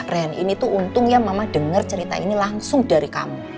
ren ini tuh untung ya mama dengar cerita ini langsung dari kamu